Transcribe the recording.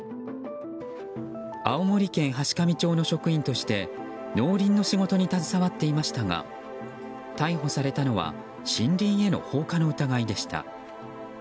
青森県階上町の職員として農林の仕事に携わっていましたが逮捕されたのは森林への放火の疑いでした。